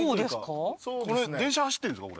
電車走ってるんですか？